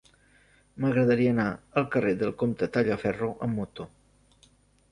M'agradaria anar al carrer del Comte Tallaferro amb moto.